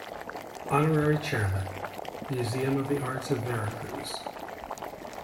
Honorary Chairman: Museum of the Arts of Veracruz.